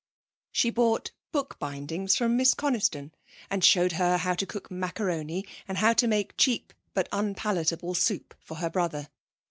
She bought book bindings from Miss Coniston, and showed her how to cook macaroni and how to make cheap but unpalatable soup for her brother.